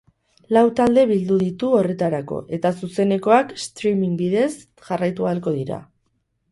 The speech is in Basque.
Lau talde bildu ditu horretarako, eta zuzenekoak streaming bidez jarraitu ahalko dira.